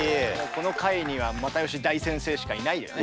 この回には又吉大先生しかいないよね。